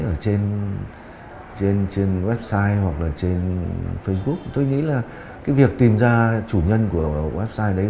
ở trên website hoặc là trên facebook tôi nghĩ là cái việc tìm ra chủ nhân của website đấy